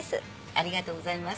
ありがとうございます。